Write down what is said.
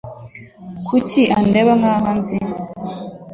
Kuki andeba nkaho anzi?